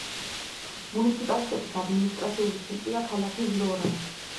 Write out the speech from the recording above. მუნიციპალიტეტის ადმინისტრაციული ცენტრია ქალაქი ვლორა.